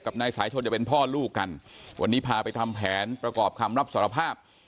นายสายชนจะเป็นพ่อลูกกันวันนี้พาไปทำแผนประกอบคำรับสารภาพ